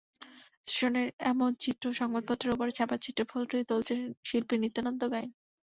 স্টেশনের এমন চিত্র সংবাদপত্রের ওপরে ছাপচিত্রে ফুটিয়ে তুলেছেন শিল্পী নিত্যানন্দ গাইন।